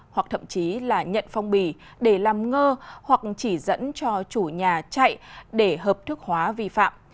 hoặc thậm chí là nhận phong bì để làm ngơ hoặc chỉ dẫn cho chủ nhà chạy để hợp thức hóa vi phạm